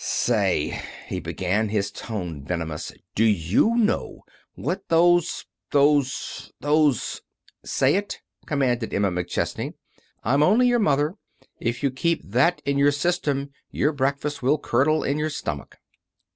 "Say," he began, his tone venomous, "do you know what those those those " "Say it!" commanded Emma McChesney. "I'm only your mother. If you keep that in your system your breakfast will curdle in your stomach."